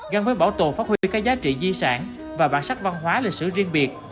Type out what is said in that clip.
gắn với bảo tồn phát huy các giá trị di sản và bản sắc văn hóa lịch sử riêng biệt